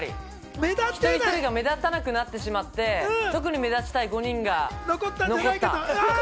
一人一人が目立たなくなってしまって特に目立ちたい５人が残った。